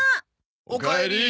おかえり。